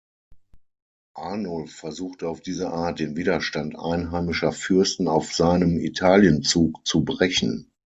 Arnulf versuchte auf diese Art, den Widerstand einheimischer Fürsten auf seinem Italienzug zu brechen.